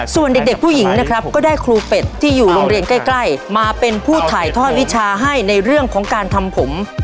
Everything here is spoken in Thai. ส่วนเด็กผู้หญิงนะครับก็ได้ครูเป็ดที่อยู่โรงเรียนใกล้มาเป็นผู้ถ่ายทอดวิชาให้ในเรื่องของการทำผม